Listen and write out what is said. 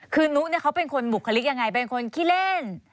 คือนุเนี่ยเขาเป็นคนบุคลิกยังไงเป็นคนขี้เล่น